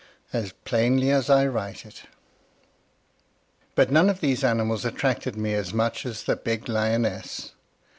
as plainly as I write it. But none of these animals attracted me as much as the big lioness.